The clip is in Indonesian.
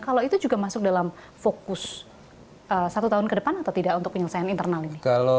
kalau itu juga masuk dalam fokus satu tahun ke depan atau tidak untuk penyelesaian internal ini